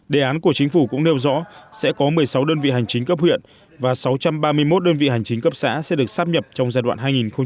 đề án của chính phủ cũng nêu rõ sẽ có một mươi sáu đơn vị hành chính cấp huyện và sáu trăm ba mươi một đơn vị hành chính cấp xã sẽ được sắp nhập trong giai đoạn hai nghìn một mươi chín hai nghìn hai mươi một